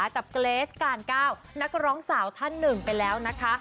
กับเกรสการ๙นักร้องสาวท่านหนึ่งไปแล้วนะคะ